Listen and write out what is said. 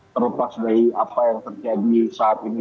terlepas dari apa yang terjadi saat ini